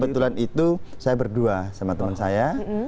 kebetulan itu saya berdua sama teman saya